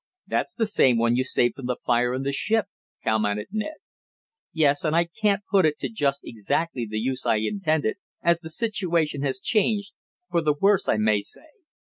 "That's the same one you saved from the fire in the ship," commented Ned. "Yes, and I can't put it to just exactly the use I intended, as the situation has changed for the worse I may say.